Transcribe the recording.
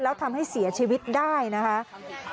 แล้วทำให้เสียชีวิตได้นะคะ